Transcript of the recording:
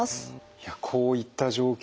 いやこういった状況